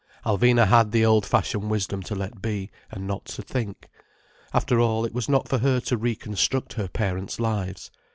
Alvina had the old fashioned wisdom to let be, and not to think. After all, it was not for her to reconstruct her parents' lives.